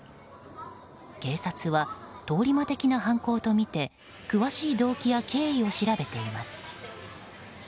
警察は通り魔的な犯行とみて詳しい動機や経緯を調べています。